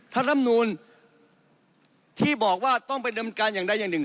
ลำนูลที่บอกว่าต้องไปดำเนินการอย่างใดอย่างหนึ่ง